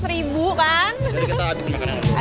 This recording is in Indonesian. jadi kita abisin makanan